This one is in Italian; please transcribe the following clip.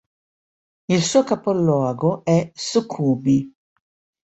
Il suo capoluogo è Sukhumi.